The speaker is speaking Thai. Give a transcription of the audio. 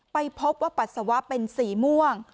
ไปพบว่าปัสสาวะเป็นสีม่วง